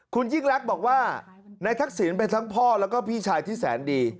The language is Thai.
คุณยิ่งรักบอกว่านายทักษิณเป็นทั้งพ่อแล้วก็พี่ชายที่แสนดี